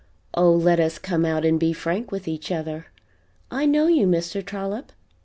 Oh, let us come out and be frank with each other: I know you, Mr. Trollop.